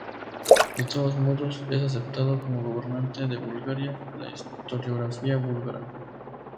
De todos modos es aceptado como gobernante de Bulgaria por la historiografía búlgara.